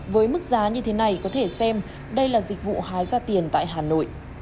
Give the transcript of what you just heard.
với mức giá như thế này có thể xem đây là dịch vụ hái ra tiền tại hà nội